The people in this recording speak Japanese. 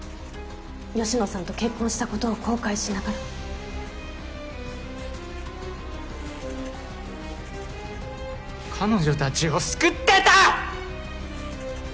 芳野さんと結婚したことを後悔しながら彼女たちを救ってた！！